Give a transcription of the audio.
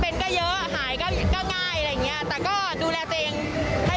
เพราะว่ามันเป็นภาเฟณีเราแล้วมันก็สนุกอยู่แล้วไง